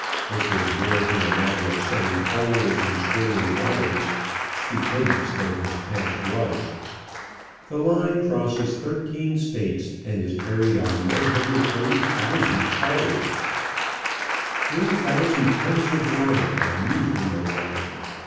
This was more than a matter of setting poles and stringing wires, stupendous though this task was. The line crosses thirteen States, and is carried on 130,000 poles. Three thousand tons of wire are used in the line.